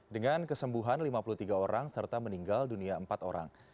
dengan kesembuhan lima puluh tiga orang serta meninggal dunia empat orang